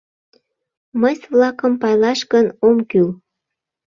Мыйс-влакым пайлаш гын, ом кӱл.